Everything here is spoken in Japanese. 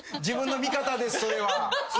自分の見方ですそれは。